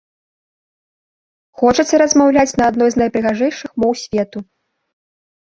Хочаце размаўляць на адной з найпрыгажэйшых моў свету?